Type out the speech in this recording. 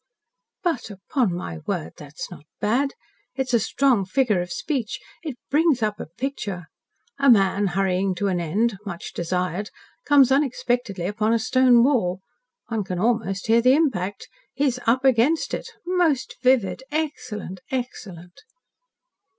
"But, upon my word, that is not bad. It is strong figure of speech. It brings up a picture. A man hurrying to an end much desired comes unexpectedly upon a stone wall. One can almost hear the impact. He is up against it. Most vivid. Excellent! Excellent!"